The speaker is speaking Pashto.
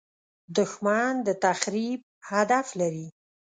دښمن د تخریب هدف لري